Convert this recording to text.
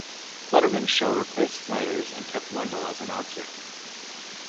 Letterman's show replaced Snyder's and kept Wendell as announcer.